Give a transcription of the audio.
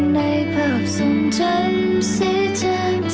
ในภาพทรงจำสีจางเธอ